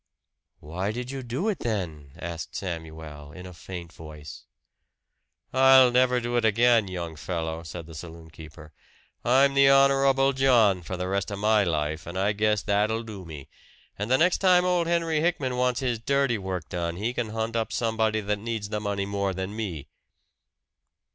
"Why did you do it then?" asked Samuel in a faint voice. "I'll never do it again, young fellow," said the saloon keeper. "I'm the Honorable John for the rest of my life, and I guess that'll do me. And the next time old Henry Hickman wants his dirty work done, he can hunt up somebody that needs the money more than me!"